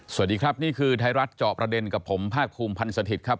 สวัสดีครับนี่คือไทยรัฐเจาะประเด็นกับผมภาคภูมิพันธ์สถิตย์ครับ